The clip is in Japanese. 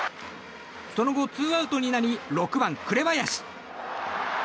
その後、ツーアウトになり６番、紅林。